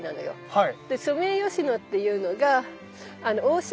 はい。